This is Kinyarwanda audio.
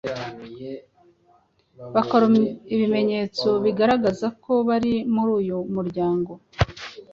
bakora ibimenyetso bigaragaza ko bari muri uyu muryango